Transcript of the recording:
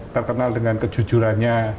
terkenal dengan kejujurannya